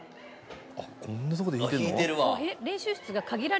「こんなとこで弾いてるの？」